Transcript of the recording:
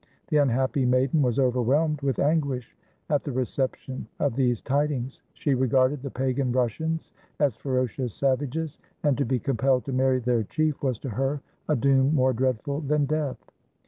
The unhappy maiden was overwhelmed with anguish at the reception of these tidings. She re garded the pagan Russians as ferocious savages; and to be compelled to marry their chief was to her a doom more dreadful than death.